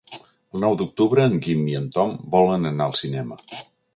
El nou d'octubre en Guim i en Tom volen anar al cinema.